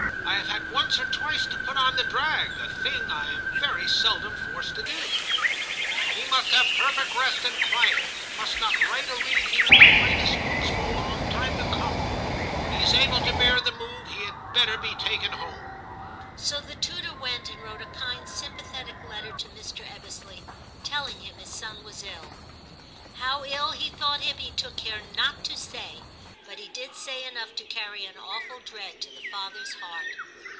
I have had once or 288 TIM CHAP. twice to put on the drag, a thing I am very seldom forced to do/ * He must have perfect rest and quiet, and must not write or read even the lightest books for a long time to come ; when he is able to bear the move, he had better be taken home.' So the tutor went and wrote a kind sympathetic letter to Mr. Ebbesley, telling him his son was ill. How ill he thought him he took care not to say, but he did say enough to carry an awful dread to the father's heart.